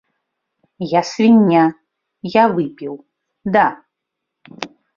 Я свіння, я выпіў, да!